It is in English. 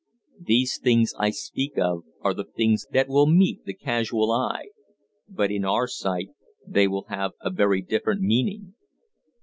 "These things I speak of are the things that will meet the casual eye; but in our sight they will have a very different meaning.